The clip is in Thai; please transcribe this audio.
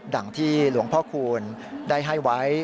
ที่หลวงพ่อคูณได้ให้ไว้